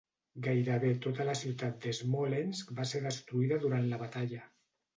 Gairebé tota la ciutat de Smolensk va ser destruïda durant la batalla.